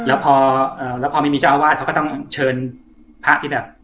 แล้วพอแล้วพอไม่มีเจ้าอาวาสเขาก็ต้องเชิญพระที่แบบ